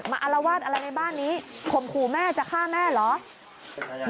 อารวาสอะไรในบ้านนี้ข่มขู่แม่จะฆ่าแม่เหรอ